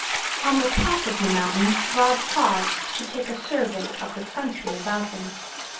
On the top of the mountain Rod paused to take a survey of the country about him.